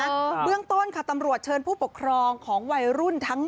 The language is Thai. เบื้องต้นค่ะตำรวจเชิญผู้ปกครองของวัยรุ่นทั้ง